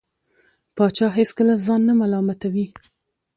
پاچا هېڅکله ځان نه ملامتوي .